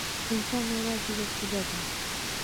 انسان یوازې وسیله ده.